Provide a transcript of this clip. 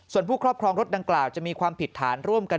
ส่วนผู้ครอบครองรถดังกล่าวจะมีความผิดฐานร่วมกัน